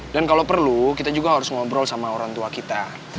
dan kalau perlu kita juga harus ngobrol sama orang tua kita